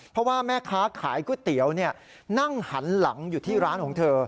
เพราะว่าแม่ค้าขายก๋วยเตี๋ยวนั่งหันหลังอยู่ที่ร้านของเธอ